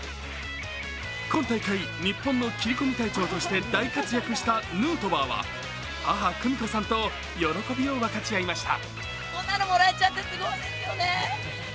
今大会、日本の切り込み隊長として大活躍したヌートバーは母・久美子さんと喜びを分かち合いました。